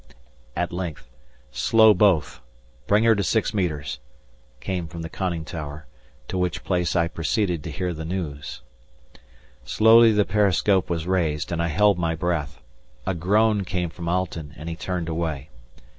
At length: "Slow both!" "Bring her to six metres!" came from the conning tower, to which place I proceeded to hear the news. Slowly the periscope was raised and I held my breath; a groan came from Alten and he turned away.